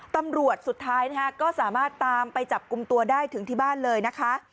สุดท้ายนะคะก็สามารถตามไปจับกลุ่มตัวได้ถึงที่บ้านเลยนะคะ